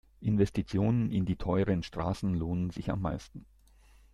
Investitionen in die teuren Straßen lohnen sich am meisten.